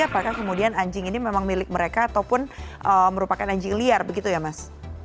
apakah kemudian anjing ini memang milik mereka ataupun merupakan anjing liar begitu ya mas